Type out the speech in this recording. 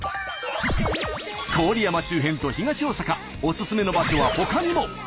郡山周辺と東大阪おすすめの場所はほかにも。